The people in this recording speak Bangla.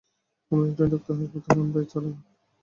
আমরা ইন্টানি ডাক্তার হাসপাতাল আমরাই চালাই।